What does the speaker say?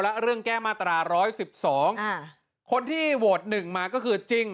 แล้วเรื่องแก้มาตราร้อยสิบสองอ่าคนที่โวดหนึ่งมาก็คือจริง